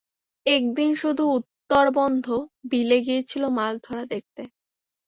এক দিন শুধু উত্তরবন্ধ বিলে গিয়েছিল মাছ ধরা দেখতে।